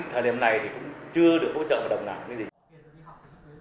thời điểm này thì cũng chưa được hỗ trợ vào đồng nào